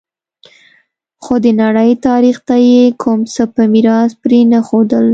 خو د نړۍ تاریخ ته یې کوم څه په میراث پرې نه ښودل